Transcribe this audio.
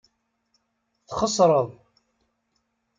Txeṣreḍ.